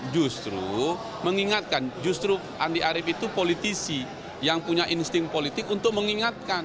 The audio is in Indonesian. justru mengingatkan justru andi arief itu politisi yang punya insting politik untuk mengingatkan